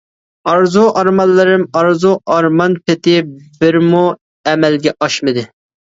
ئارزۇ ئارمانلىرىم، ئارزۇ ئارمان پىتى بىرىمۇ ئەمەلگە ئاشمىدى.